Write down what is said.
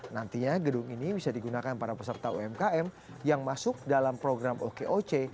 nantinya gedung ini bisa digunakan para peserta umkm yang masuk dalam program okoc